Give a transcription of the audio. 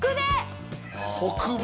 北米！